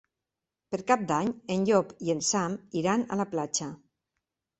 Per Cap d'Any en Llop i en Sam iran a la platja.